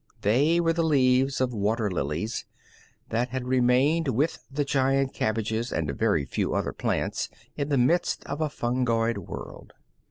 They were the leaves of water lilies, that had remained with the giant cabbages and a very few other plants in the midst of a fungoid world.